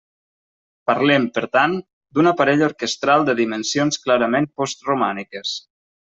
Parlem, per tant, d'un aparell orquestral de dimensions clarament postromàntiques.